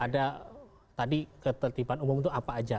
ada tadi ketertiban umum itu apa aja